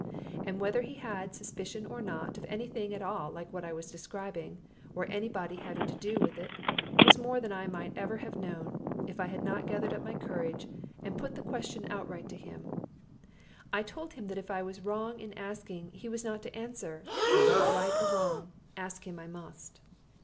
And whether he had suspicion or not of any thing at all like what I was describing, or any body having to do with it, was more than I ever might have known, if I had not gathered up my courage and put the question outright to him. I told him that if I was wrong in asking, he was not to answer; but, right or wrong, ask him I must.